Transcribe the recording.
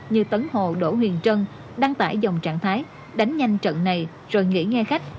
như tấn hồ đỗ huyền trân đang tải dòng trạng thái đánh nhanh trận này rồi nghỉ nghe khách